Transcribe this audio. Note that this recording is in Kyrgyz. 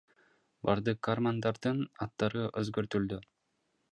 Бардык каармандардын аттары өзгөртүлдү.